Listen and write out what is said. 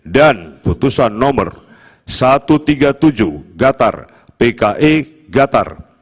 dan putusan nomor satu ratus tiga puluh tujuh gatar pke gatar